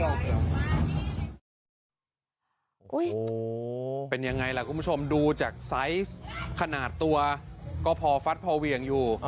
โอ้โหเป็นยังไงล่ะคุณผู้ชมดูจากไซส์ขนาดตัวก็พอฟัดพอเหวี่ยงอยู่